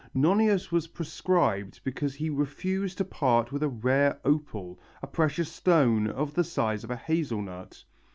Nonius was proscribed because he refused to part with a rare opal, a precious stone of the size of a hazelnut.